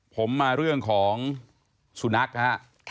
ผมมาเรื่องของสุนัขนะครับ